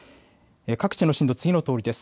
各地の震度、次のとおりです。